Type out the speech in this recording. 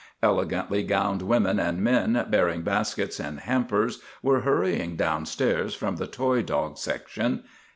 Elegantly gowned women and men bearing baskets and hampers were hurrying downstairs from the toy dog section.